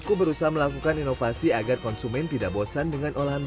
kepala kabupaten pati jawa tengah